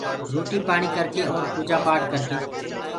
روٽيٚ پاڻيٚ ڪر ڪي اور پوٚجا پاٽ ڪر ڪي۔